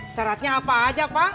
seratnya apa aja pak